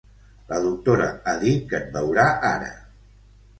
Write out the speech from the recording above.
La doctora ha dit que et veurà ara.